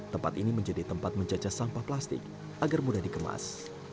tempat ini menjadi tempat menjajah sampah plastik agar mudah dikemas